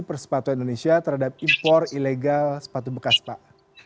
persepatu indonesia terhadap impor ilegal sepatu bekas pak